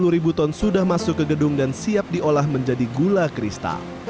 sepuluh ribu ton sudah masuk ke gedung dan siap diolah menjadi gula kristal